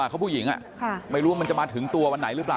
เขาผู้หญิงไม่รู้ว่ามันจะมาถึงตัววันไหนหรือเปล่า